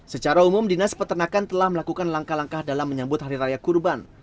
secara umum dinas peternakan telah melakukan langkah langkah dalam menyambut hari raya kurban